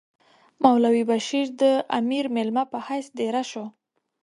مولوی بشیر د امیر مېلمه په حیث دېره شو.